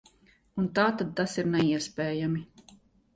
Un tātad tas ir neiespējami.